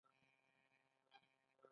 که په وخت ونه رسېدم.